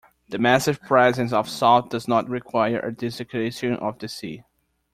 The massive presence of salt does not require a desiccation of the sea.